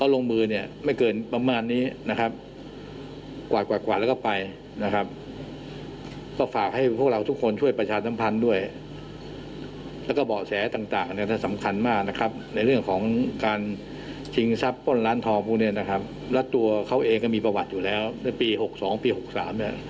แล้วตัวเขาเองก็มีประวัติอยู่แล้วในปี๖๒ปี๖๓เนี่ย